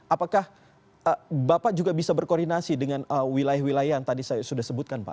apakah bapak juga bisa berkoordinasi dengan wilayah wilayah yang tadi saya sudah sebutkan pak